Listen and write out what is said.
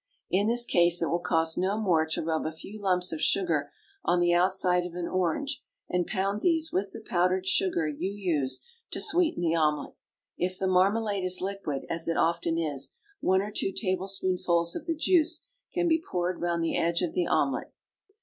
In this case it will cost no more to rub a few lumps of sugar on the outside of an orange, and pound these with the powdered sugar you use to sweeten the omelet. If the marmalade is liquid, as it often is, one or two tablespoonfuls of the juice can be poured round the edge of the omelet.